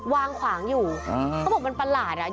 วางขวางอยู่เขาบอกมันประหลาดอ่ะ